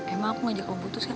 emang aku ngajak kamu putus kan